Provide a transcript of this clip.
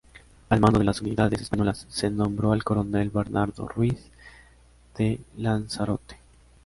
Al mando de las unidades españolas se nombró al coronel Bernardo Ruiz de Lanzarote.